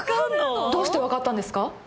どうして分かったんですか？